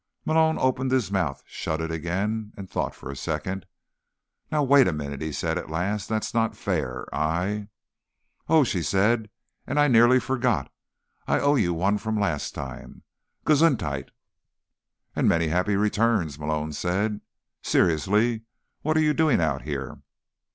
Malone opened his mouth, shut it again, and thought for a second. "Now, wait a minute," he said at last. "That's not fair. I—" "Oh," she said. "And I nearly forgot. I owe you one from last time: gesundheit." "And many happy returns," Malone said. "Seriously, what are you doing out here?"